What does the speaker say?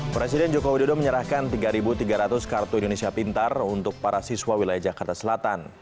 presiden joko widodo menyerahkan tiga tiga ratus kartu indonesia pintar untuk para siswa wilayah jakarta selatan